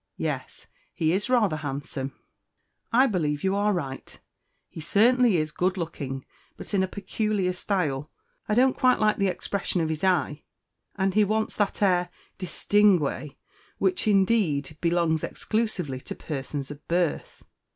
Yes, he is rather handsome." "I believe. you are right; he certainly is good looking, but in a peculiar style. I don't quite like the expression of his eye, and he wants that air distingué, which, indeed, belongs exclusively to persons of birth."